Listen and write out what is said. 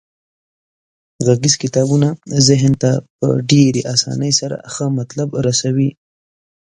غږیز کتابونه ذهن ته په ډیرې اسانۍ سره ښه مطلب رسوي.